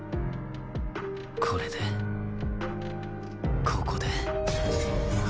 これでここで